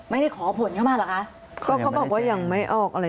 ไม่ได้ขอผลเข้ามาเหรอคะก็เขาบอกว่ายังไม่ออกอะไร